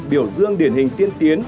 biểu dương điển hình tiên tiến